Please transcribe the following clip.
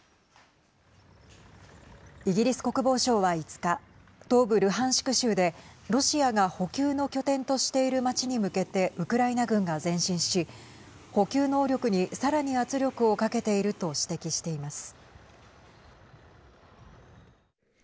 イギリス国防省は５日東部ルハンシク州でロシアが補給の拠点としている街に向けてウクライナ軍が前進し補給能力にさらに圧力をかけていると指摘しています。